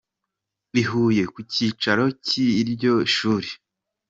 i Huye ku cyicaro cy’iryo shuri.